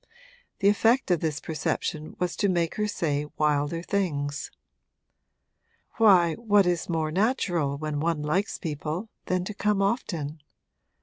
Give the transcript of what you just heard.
The effect of this perception was to make her say wilder things. 'Why, what is more natural, when one likes people, than to come often?